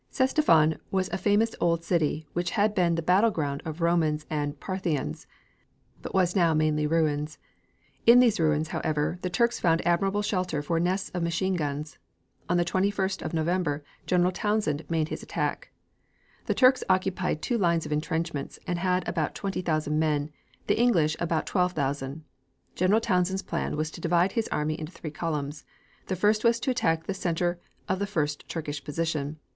Ctesiphon was a famous old city which had been the battle ground of Romans and Parthians, but was now mainly ruins. In these ruins, however, the Turks found admirable shelter for nests of machine guns. On the 21st of November General Townshend made his attack. [Illustration: Map] Map of Gen. Townshend's Lines of Attack on Kut El Amara The Turks occupied two lines of intrenchments, and had about twenty thousand men, the English about twelve thousand. General Townshend's plan was to divide his army into three columns. The first was to attack the center of the first Turkish position.